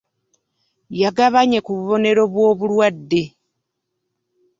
Yagabanye ku bubonero bw'obulwadde.